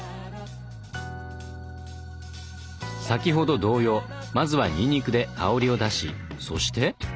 先ほど同様まずはにんにくで香りを出しそして？